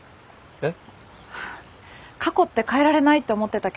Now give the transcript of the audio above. えっ！？